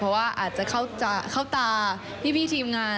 เพราะว่าอาจจะเข้าตาพี่ทีมงาน